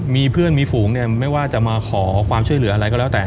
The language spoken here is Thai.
มีเพื่อนมีฝูงเนี่ยไม่ว่าจะมาขอความช่วยเหลืออะไรก็แล้วแต่